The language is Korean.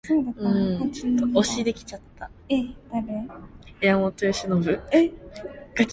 영신은 아이들의 손을 잡고 그 달이 기울도록 노래를 부르며 어린애와 같이 뛰놀았다.